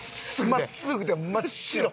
真っすぐで真っ白。